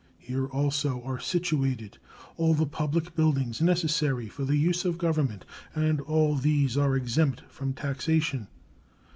Here also are situated all the public buildings necessary for the use of the Government, and all these are exempt from taxation.